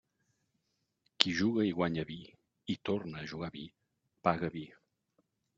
Qui juga i guanya vi, i torna a jugar vi, paga vi.